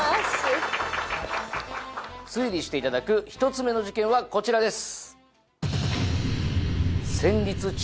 推理していただく１つ目の事件はこちらです。